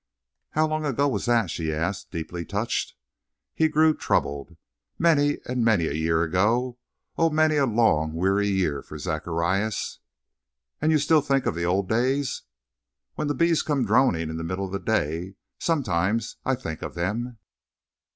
"How long ago was that?" she asked, deeply touched. He grew troubled. "Many and many a year ago oh, many a long, weary year, for Zacharias!" "And you still think of the old days?" "When the bees come droning in the middle of the day, sometimes I think of them."